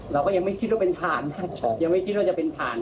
เราก็ยังไม่คิดว่าเป็นผ่านยังไม่คิดว่าจะเป็นผ่าน